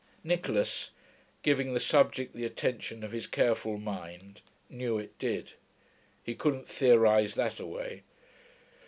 Nicholas, giving the subject the attention of his careful mind, knew it did. He couldn't theorise that away.